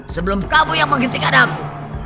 sebelum kamu yang menghentikan aku